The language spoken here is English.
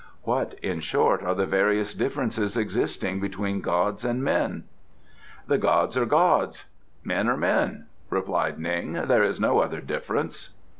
What, in short, are the various differences existing between gods and men?" "The gods are gods; men are men," replied Ning. "There is no other difference."